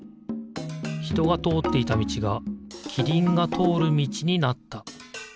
ひとがとおっていたみちがキリンがとおるみちになった。